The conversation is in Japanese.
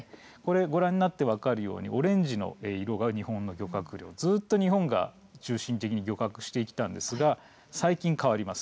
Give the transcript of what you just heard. ご覧になって分かるようにオレンジの色が日本の漁獲量ずっと日本が中心的に漁獲していたんですが最近変わります。